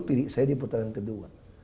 pilih saya di putaran kedua